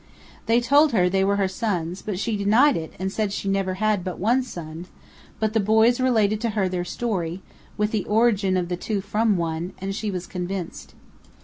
They told her they were her sons, but she denied it and said she had never had but one son; but the boys related to her their history, with the origin of the two from one, and she was convinced.